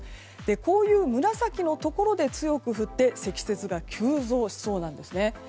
こういう紫のところで強く降って積雪が急増しそうなんですね。